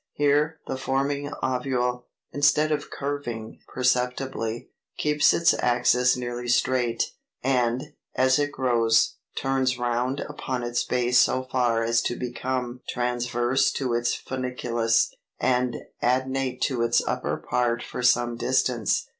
Here the forming ovule, instead of curving perceptibly, keeps its axis nearly straight, and, as it grows, turns round upon its base so far as to become transverse to its funiculus, and adnate to its upper part for some distance.